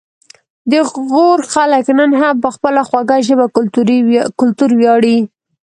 د غور خلک نن هم په خپله خوږه ژبه او کلتور ویاړي